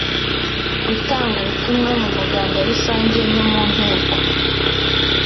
gutanga ubutumwa mu muganda rusange no mu nteko